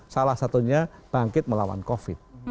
salah satunya bangkit melawan covid